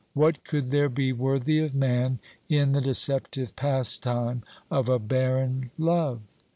What could there be worthy of man in the deceptive pastime of a barren love?